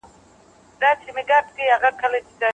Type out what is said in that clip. ځینې خلک بازار ته ځي او توکي هېر کړي.